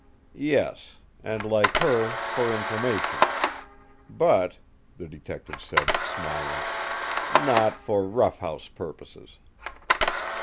"Yes; and, like her, for information. But," the detective said, smiling, "not for rough house purposes."